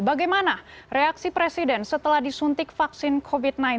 bagaimana reaksi presiden setelah disuntik vaksin covid sembilan belas